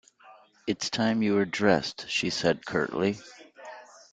“It’s time you were dressed,” she said curtly.